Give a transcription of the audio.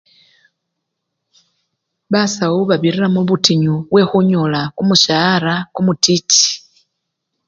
Basawo babirira mubutinyu bwekhunyola kumushaara kumutiti.